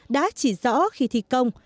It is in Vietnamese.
đã chỉ rõ khi thi công